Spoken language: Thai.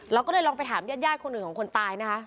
แล้วก็เลยลองไปถามญาติย่ายคนอื่นของคนตายนะคะ